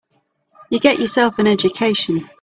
You get yourself an education.